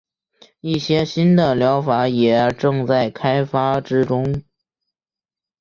一些新的疗法也正在开发之中。